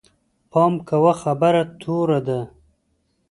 پام کوه، خبره توره ده